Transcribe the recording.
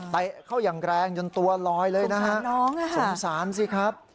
เข้าอย่างแรงจนตัวลอยเลยนะฮะสงสารสิครับ